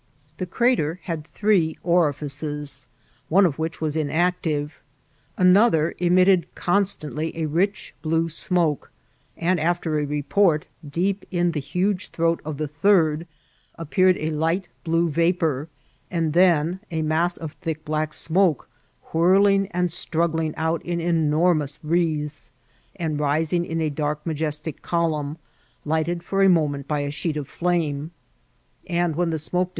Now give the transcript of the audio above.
The crater had three orifices, one of which was in* active ; another emitted constantly a rich blue smoke ; and after a report, deep in the huge throat of the third appeared a light blue vc^ur, and then a mass of thick black smoke, whirling and struggling out in enormous wreaths, and rising in a dark majestic column, lighted for a moment by a sheet of flame ; and when the smoko 9t8 IKCIDSKT OF TRATBLS.